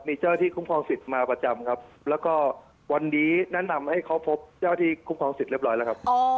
มีเจ้าหน้าที่คุ้มครองสิทธิ์มาประจำครับแล้วก็วันนี้แนะนำให้เขาพบเจ้าที่คุ้มครองสิทธิเรียบร้อยแล้วครับ